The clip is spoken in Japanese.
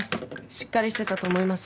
しっかりしてたと思います。